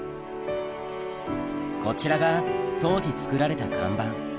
こちらが当時作られた看板